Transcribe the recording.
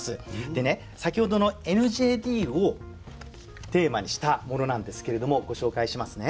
でね先ほどの「ＮＪＤ」をテーマにしたものなんですけれどもご紹介しますね。